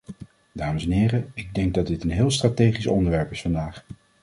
Dames en heren, ik denk dat dit een heel strategisch onderwerp is vandaag.